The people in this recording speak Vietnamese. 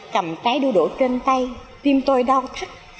cầm trái đu đủ trên tay tim tôi đau thắt